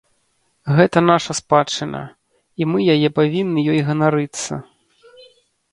Гэта наша спадчына і мы яе павінны ёй ганарыцца.